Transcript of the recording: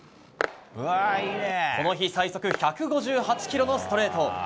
この日最速１５８キロのストレート。